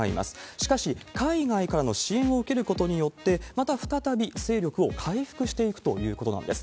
しかし、海外からの支援を受けることによって、また再び勢力を回復していくということなんです。